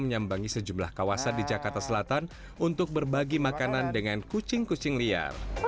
menyambangi sejumlah kawasan di jakarta selatan untuk berbagi makanan dengan kucing kucing liar